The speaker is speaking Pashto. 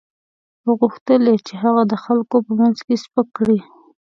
او وغوښتل یې چې هغه د خلکو په مخ کې سپک کړي.